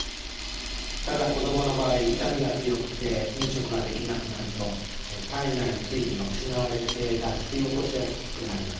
ただ子どもの場合痛みが強くて飲食ができなくなると体内の水分が失われて脱水を起こしやすくなります。